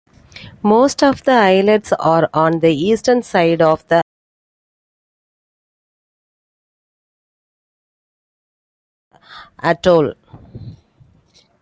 Most of the islets are on the eastern side of the atoll.